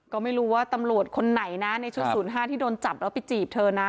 ก็ไม่รู้ว่าตำรวจคนไหนนะในชุด๐๕ที่โดนจับแล้วไปจีบเธอนะ